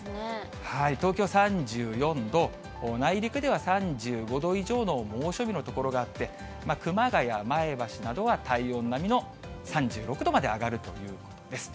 東京３４度、内陸では３５度以上の猛暑日の所があって、熊谷、前橋などは体温並みの３６度まで上がるということです。